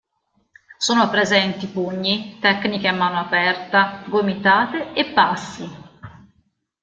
Sono presenti pugni, tecniche a mano aperta, gomitate, e passi.